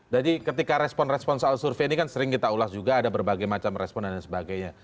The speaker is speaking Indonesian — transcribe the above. jadi ketika respon respon soal survei ini kan sering kita ulas juga ada berbagai macam respon dan sebagainya